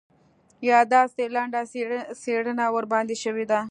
یا داسې لنډه څېړنه ورباندې شوې ده.